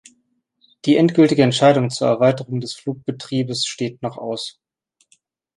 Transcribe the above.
Die endgültige Entscheidung zur Erweiterung des Flugbetriebes steht noch aus.